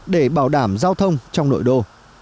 để bảo đảm giao thông trong nội đô